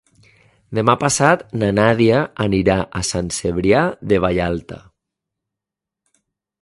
Demà passat na Nàdia anirà a Sant Cebrià de Vallalta.